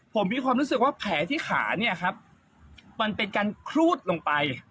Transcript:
ผมมีความรู้สึกว่าแผลที่ขาเนี่ยครับมันเป็นการครูดลงไป